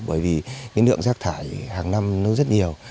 bởi vì cái lượng rác thải hàng năm nó rất nhiều